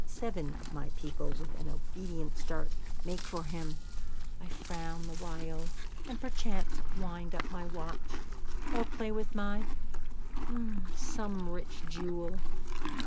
Seven of my people, with an obedient start, make for him; I frown the while, and perchance wind up my watch, or play with my some rich jewel.